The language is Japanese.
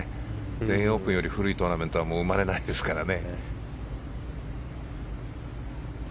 全英オープンより古いトーナメントはもう生まれないですからね。